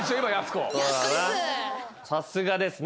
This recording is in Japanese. さすがですね。